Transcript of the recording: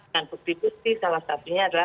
bukti bukti salah satunya adalah